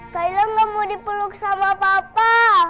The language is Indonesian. kalian gak mau dipeluk sama papa